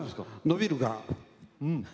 伸びるから。